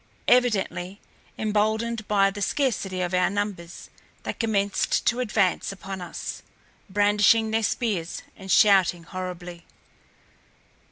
Evidently emboldened by the scarcity of our numbers, they commenced to advance upon us, brandishing their spears and shouting horribly.